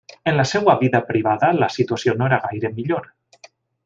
En la seva vida privada, la situació no era gaire millor.